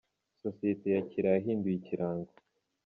Sosiyete ya Kira yahinduye Ikirango